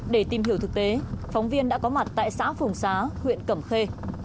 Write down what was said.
để tìm hiểu thực tế phóng viên đã có mặt tại xã phùng xá huyện cẩm khê